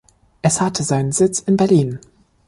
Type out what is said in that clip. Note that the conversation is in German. Es hatte seinen Sitz in Berlin.